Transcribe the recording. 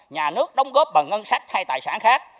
nhà nước đóng góp bằng ngân sách thay tài sản khác